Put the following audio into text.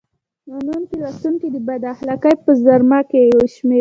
ممکن لوستونکي د بد اخلاقۍ په زمره کې وشمېري.